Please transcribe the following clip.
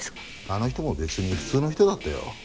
あの人も別に普通の人だったよ。